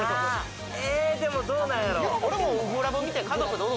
でも、どうなんやろう。